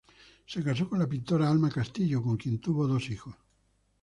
Se casó con la pintora Alma Castillo con quien tuvo dos hijos.